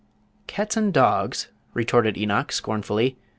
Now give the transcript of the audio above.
"Cats and dogs?" retorted Enoch, scornfully.